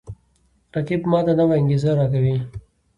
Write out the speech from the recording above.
رقیب ما ته نوی انگیزه راکوي